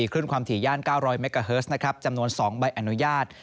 คลื่นความถี่ย่าน๙๐๐เมกาเฮิร์สนะครับจำนวน๒ใบอนุญาต